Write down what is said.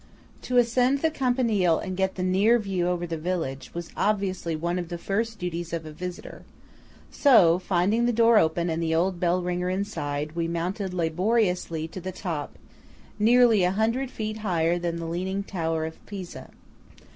To ascend the Campanile and get the near view over the village, was obviously one of the first duties of a visitor; so, finding the door open and the old bellringer inside, we mounted laboriously to the top–nearly a hundred feet higher than the leaning tower of Pisa.